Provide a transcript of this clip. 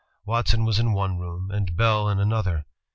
Watson was in one room, and Bell in another.